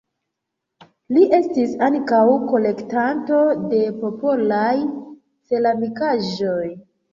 Li estis ankaŭ kolektanto de popolaj ceramikaĵoj.